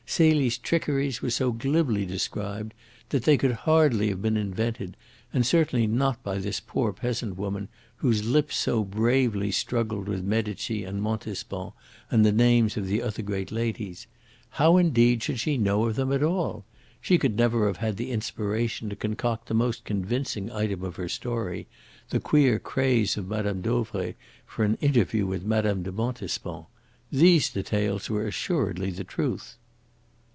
Celie's trickeries were so glibly described that they could hardly have been invented, and certainly not by this poor peasant woman whose lips so bravely struggled with Medici, and Montespan, and the names of the other great ladies. How, indeed, should she know of them at all? She could never have had the inspiration to concoct the most convincing item of her story the queer craze of Mme. Dauvray for an interview with Mme. de Montespan. These details were assuredly the truth.